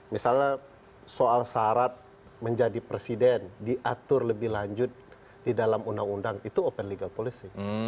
misalnya soal syarat menjadi presiden diatur lebih lanjut di dalam undang undang itu open legal policy